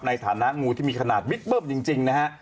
ในฐานนะงูที่มีขนาดวิ๊ดเบิ้บจริงนะครับ